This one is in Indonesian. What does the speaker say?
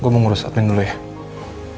gue mau ngurus admin dulu ya